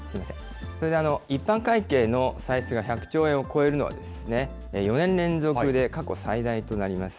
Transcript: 一般会計の歳出が１００兆円を超えるのは、４年連続で過去最大となります。